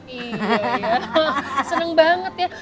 iya ya seneng banget ya